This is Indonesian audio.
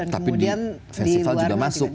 tapi di festival juga masuk gitu